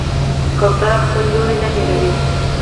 کوتره خپل لوری نه هېروي.